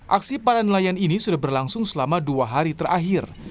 aksi para nelayan ini sudah berlangsung selama dua hari terakhir